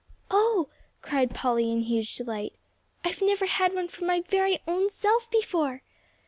"Oh!" cried Polly, in huge delight, "I've never had one for my very own self before."